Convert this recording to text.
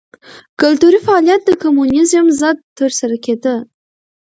کلتوري فعالیت د کمونېزم ضد ترسره کېده.